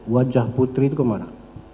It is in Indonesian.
wajah putri itu kemana